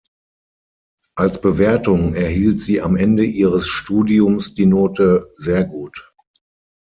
Als Bewertung erhielt sie am Ende ihres Studiums die Note „sehr gut“.